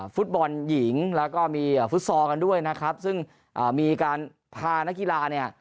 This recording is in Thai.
ฟุตบอลหญิงแล้วก็มีฟุตซอลกันด้วยนะครับซึ่งมีการพานักกีฬาเนี่ย